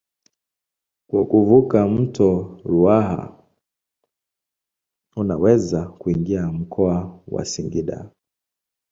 Kwa kuvuka mto Ruaha unaweza kuingia mkoa wa Singida.